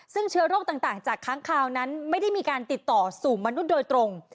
ซึ่งเชื้อโรคต่างจากค้างคาวนั้นไม่ได้มีการติดต่อสู่มนุษย์โดยตรง